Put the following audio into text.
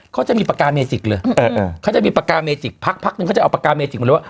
เขาจะมีปากกาเมจิกเลยเขาจะมีปากกาเมจิกพักนึงเขาจะเอาปากกาเมจิกมาเลยว่า